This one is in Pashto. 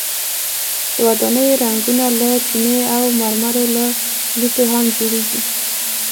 د ودانیو رنګونه له چونې او د مرمرو له لوټو هم جوړیږي.